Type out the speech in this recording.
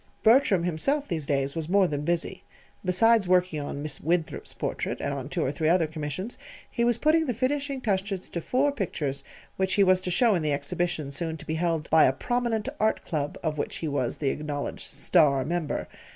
Bertram himself, these days, was more than busy. Besides working on Miss Winthrop's portrait, and on two or three other commissions, he was putting the finishing touches to four pictures which he was to show in the exhibition soon to be held by a prominent Art Club of which he was the acknowledged "star" member.